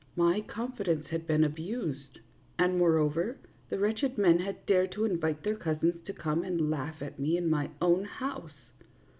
My confidence had been abused, and, moreover, the wretched men had dared to invite their cousins to come and laugh at me in my own house.